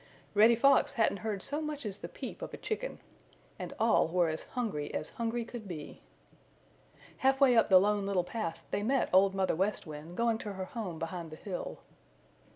Reddy Fox hadn't heard so much as the peep of a chicken. And all were as hungry as hungry could be. Half way up the Lone Little Path they met Old Mother West Wind going to her home behind the hill.